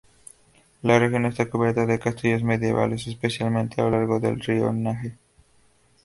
La región está cubierta de castillos medievales, especialmente a lo largo del río Nahe.